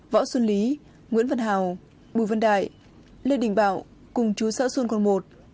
võ xuân lý nguyễn văn hào bùi văn đại lê đình bảo cùng chú xã xuân quang một